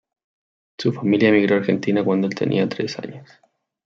Su familia emigró a Argentina cuando el tenía tres años.